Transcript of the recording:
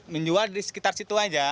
menjual di sekitar situ aja